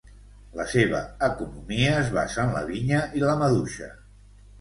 La seva economia es basa en la vinya i la maduixa.